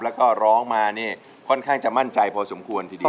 แล้วก็ร้องมาเนี่ยค่อนข้างจะมั่นใจพอสมควรทีเดียว